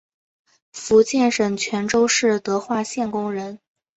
福建省泉州市德化县工人。